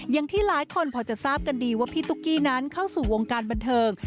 อย่างที่หลายคนพอจะทราบกันดีว่าพี่ตุ๊กกี้นั้นเข้าสู่วงการบันเทิง